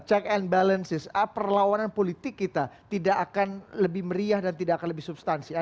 check and balances perlawanan politik kita tidak akan lebih meriah dan tidak akan lebih substansi